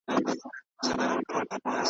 پرانيزي او الهام ورکوي .